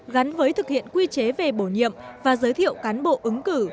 gắn với thực hiện quy chế về bổ nhiệm và giới thiệu cán bộ ứng cử